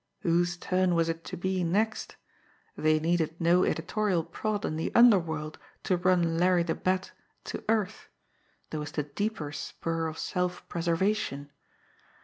Whose turn was it to be next? They needed no editorial prod in the underworld to run Larry the Bat to earth there was the deeper spur of self preservation!